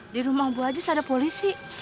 di rumah bu aziz ada polisi